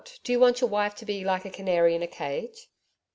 Do you want your wife to be like a canary in a cage?'